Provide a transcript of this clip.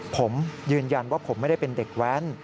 ผมยืนยันว่าผมไม่ได้เป็นเด็กแว้น